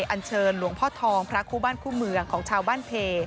อันเชิญหลวงพ่อทองพระคู่บ้านคู่เมืองของชาวบ้านเพ